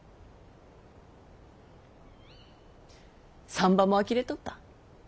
産婆もあきれておった。